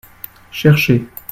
Cherchez.